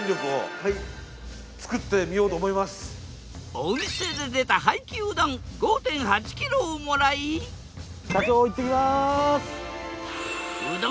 お店で出た廃棄うどん５．８キロをもらい社長行ってきます。